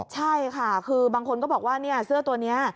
ใช่ค่ะคือบางคนก็บอกว่าเสื้อตัวนี้